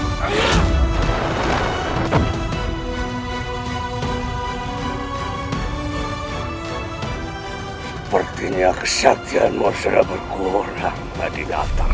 sepertinya kesatuan manusia berkurang